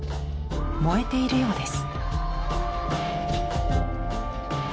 燃えているようです。